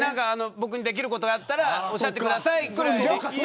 僕にできることあったらおっしゃってくださいぐらいでいい。